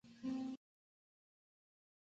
现任中华人民共和国公安部副部长。